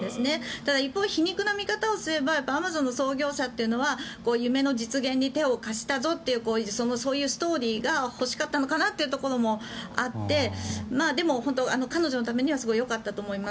ただ、一方、皮肉な見方をすればアマゾンの創業者といえば夢の実現に手を貸したぞというそういうストーリーが欲しかったのかなというところもあってでも、本当に彼女のためには本当によかったと思います。